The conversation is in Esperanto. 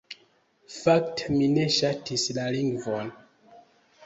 Fakte, mi ne ŝatis la lingvon.